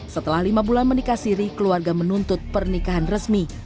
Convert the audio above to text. setelah lima bulan menikah siri keluarga menuntut pernikahan resmi